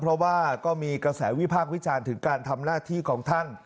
เพราะว่าก็มีกระแสวิพากษ์วิจารณ์ถึงการทำหน้าที่ของท่าน